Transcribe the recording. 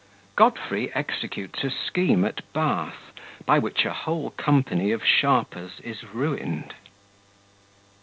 Godfrey executes a Scheme at Bath, by which a whole Company of Sharpers is ruined.